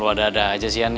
lo ada ada aja sih ian